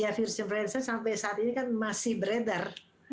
ya virus influenza sampai saat ini kan masih beredar